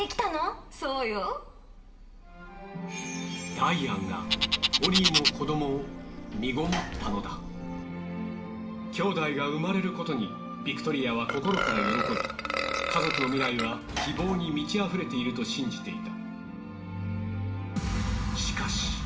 ダイアンがきょうだいが生まれることにビクトリアは心から喜び家族の未来は希望に満ちあふれていると信じていた。